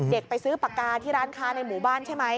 ไปซื้อปากกาที่ร้านค้าในหมู่บ้านใช่ไหม